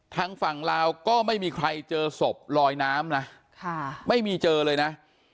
ทางฝั่งลาวก็ไม่มีใครเจอศพลอยน้ำนะไม่มีเจอเลยนะ